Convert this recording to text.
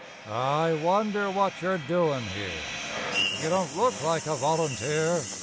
I wonder what you're doin' here? You don't look like a volunteer!